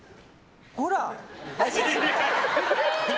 ほら！